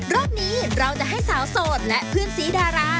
รอบนี้เราจะให้สาวโสดและเพื่อนสีดารา